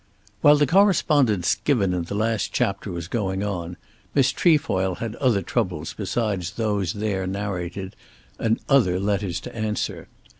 While the correspondence given in the last chapter was going on Miss Trefoil had other troubles besides those there narrated, and other letters to answer.